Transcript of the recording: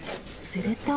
すると。